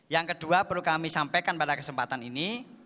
yang kedua perlu kami sampaikan pada kesempatan ini